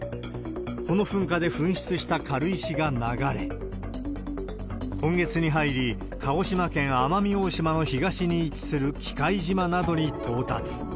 この噴火で噴出した軽石が流れ、今月に入り、鹿児島県奄美大島の東に位置する喜界島などに到達。